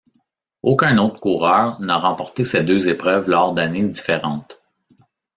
Aucun autre coureur n'a remporté ces deux épreuves lors d'années différentes.